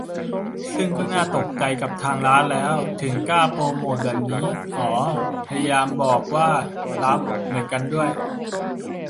ซึ่งก็น่าจะตกลงกับทางร้านแล้ว ถึงกล้าโปรโมตแบบนี้ อ้อ พยายามบอกว่า "ลับ" เหมือนกันด้วย